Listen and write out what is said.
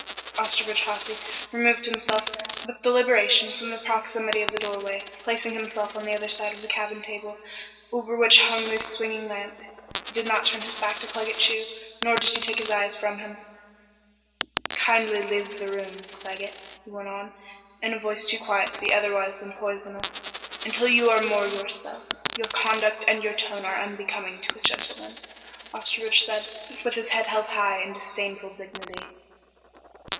Osterbridge Hawsey removed himself with deliberation from the proximity of the doorway, placing himself on the other side of the cabin table over which hung the swinging lamp. He did not turn his back to Claggett Chew nor take his eyes from him. "Kindly leave the room, Claggett," he went on, in too quiet a voice to be otherwise than poisonous, "until you are more yourself. Your conduct and tone are unbecoming to a gentleman," Osterbridge said, with his head held high in disdainful dignity.